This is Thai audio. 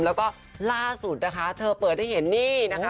แล้วก็ล่าสุดนะคะเธอเปิดให้เห็นนี่นะคะ